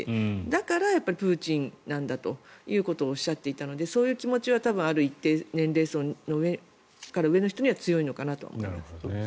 だから、やっぱりプーチンなんだということをおっしゃっていたのでそういう気持ちはある一定の年齢層から上の人には強いのかなと思います。